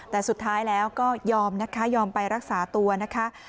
แต่สุดท้ายแล้วก็ยอมนะคะยอมไปรักษาตัวนะคะ